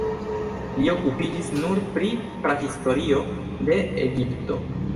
Li okupiĝis nur pri prahistorio de Egipto.